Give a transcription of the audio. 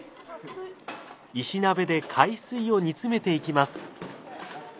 石鍋で海水を煮詰めていきます。